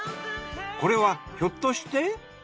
これはひょっとして。